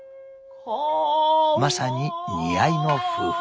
まさに似合いの夫婦。